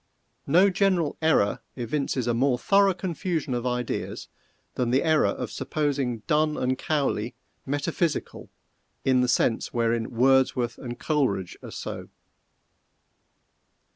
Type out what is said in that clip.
No general error evinces a more thorough confusion of ideas than the error of supposing Donne and Cowley metaphysical in the sense wherein Wordsworth and Coleridge are so.